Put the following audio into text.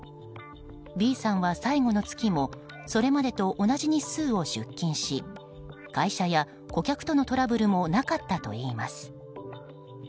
Ｂさんは最後の月もそれまでと同じ日数を出勤し会社や顧客とのトラブルもなかったといいます。